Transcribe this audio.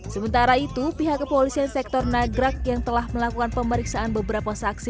sementara itu pihak kepolisian sektor nagrak yang telah melakukan pemeriksaan beberapa saksi